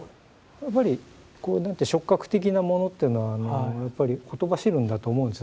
やっぱり触覚的なものっていうのはやっぱりほとばしるんだと思うんです